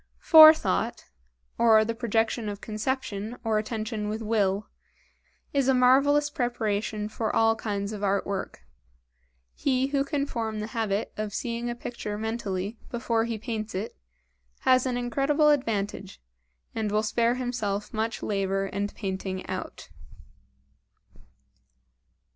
Fore thought, or the projection of conception or attention with will, is a marvelous preparation for all kinds of art work. He who can form the habit of seeing a picture mentally before he paints it, has an incredible advantage, and will spare himself much labor and painting out.